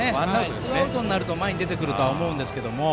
ツーアウトになると前に出てくるとは思いますが。